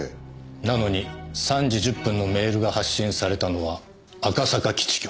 なのに３時１０分のメールが発信されたのは赤坂基地局。